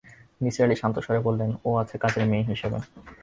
নিসার আলি শান্ত স্বরে বললেন, ও আছে কাজের মেয়ে হিসেবে।